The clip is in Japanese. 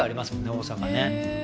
大阪ねへ